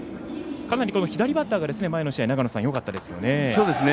かなり左バッターが前の試合よかったですね。